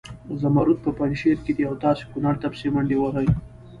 زمرود په پنجشیر کې دي او تاسې کنړ ته پسې منډې وهئ.